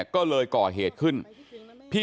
พี่สาวของผู้ตายอายุ๗๒ปี